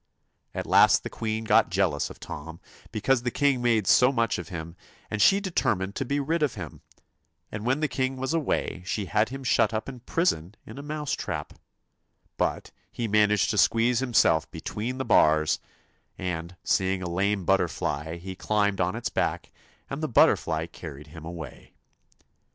At last the queen got jealous of Tom, because the king made so much of him, and she determined to be rid of him, and when the king was away she had him shut up in prison in a mouse trap, but he managed to squeeze himself between the bars, and seeing a lame butterfly he climbed on its back, and the butterfly carried him away.